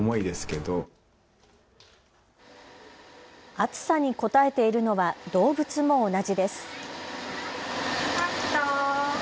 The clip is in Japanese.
暑さにこたえているのは動物も同じです。